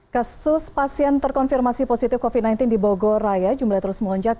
kasus pasien terkonfirmasi positif covid sembilan belas di bogor raya jumlah terus melonjak